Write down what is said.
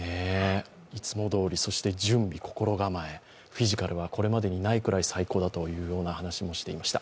いつもどおり、そして準備、心構えフィジカルはこれまでにないくらい最高だという話もしていました。